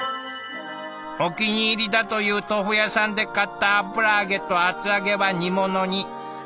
お気に入りだという豆腐屋さんで買った油揚げと厚揚げは煮物に。